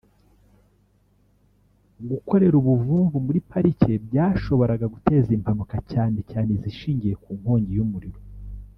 gukorera ubuvumvu muri pariki byashoboraga guteza impanuka cyane cyane izishingiye ku nkongi y’umuriro